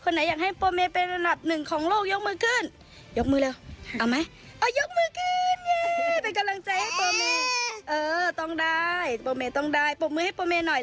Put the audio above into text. แล้วไงลูกป่อมือให้โปรเมหน่อย